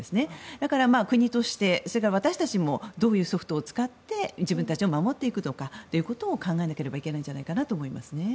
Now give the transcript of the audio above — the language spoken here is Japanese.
だから、国としてそして私たちもどういうソフトを使って自分たちを守っていくのかということも考えなければいけないんじゃないかと思いますね。